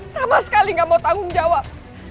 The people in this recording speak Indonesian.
sama sekali nggak mau tanggung jawab